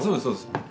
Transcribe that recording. そうです